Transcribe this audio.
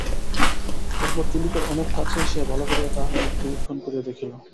তার পর জুলিখার অনেক কাছে আসিয়া ভালো করিয়া তাহার মুখ নিরীক্ষণ করিয়া দেখিল।